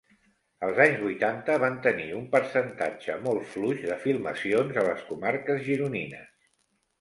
Els anys vuitanta van tenir un percentatge molt fluix de filmacions a les comarques gironines.